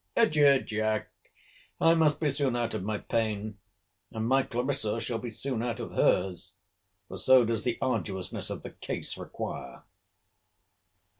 Adieu, Jack, I must be soon out of my pain; and my Clarissa shall be soon out of her's—for so does the arduousness of the case require.